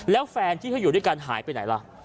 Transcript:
แล้วแฟนที่เขาอยู่ด้วยกันหายไปไหนล่ะ